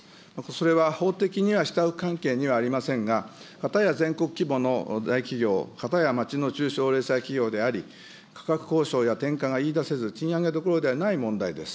それは法的には下請け関係にはありませんが、かたや全国規模の大企業、かたや町の中小零細企業であり、価格交渉や転嫁が言い出せず、賃上げどころではない問題です。